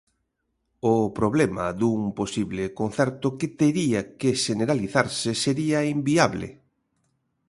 O problema dun posible concerto que tería que xeneralizarse sería inviable.